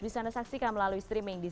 bisa anda saksikan melalui streaming